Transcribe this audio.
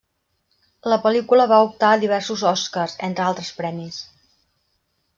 La pel·lícula va optar a diversos Oscars, entre altres premis.